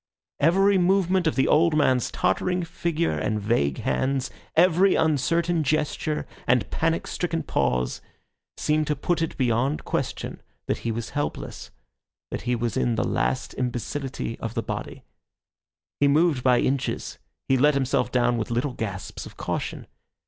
Every movement of the old man's tottering figure and vague hands, every uncertain gesture and panic stricken pause, seemed to put it beyond question that he was helpless, that he was in the last imbecility of the body. He moved by inches, he let himself down with little gasps of caution.